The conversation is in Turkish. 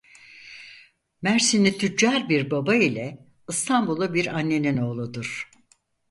Mersinli tüccar bir baba ile İstanbullu bir annenin oğludur.